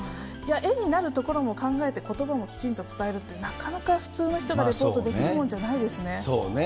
絵になるところも考えて、ことばもきちんと伝えるって、なかなか普通の人はレポートできるもんじそうね。